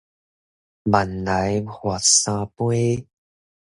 慢來罰三杯